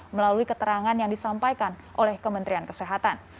melalui keterangan yang disampaikan oleh kementerian kesehatan